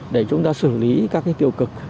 để chúng ta xử lý các cái tiêu cực